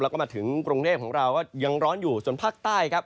แล้วก็มาถึงกรุงเทพของเราก็ยังร้อนอยู่ส่วนภาคใต้ครับ